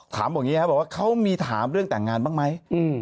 ถามแบบนี้ครับเขามีถามเรื่องแต่งงานบ้างไหม